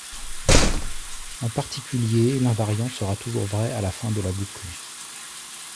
En particulier, l'invariant sera toujours vrai à la fin de la boucle.